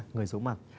người dỗ mặt